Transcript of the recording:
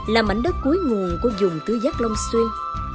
là mảnh đất cuối nguồn của dùng tứ giác long xuyên